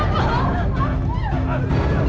kalau bapak kalau nggak